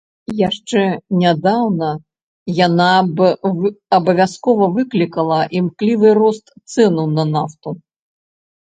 Яшчэ нядаўна яна б абавязкова выклікала імклівы рост цэнаў на нафту.